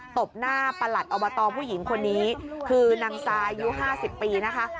บหน้าประหลัดอบตผู้หญิงคนนี้คือนางซายอายุ๕๐ปีนะคะ